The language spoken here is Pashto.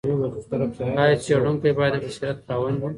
ایا څېړونکی باید د بصیرت خاوند وي؟